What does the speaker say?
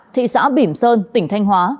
thị xã bỉm sơn tỉnh thanh hóa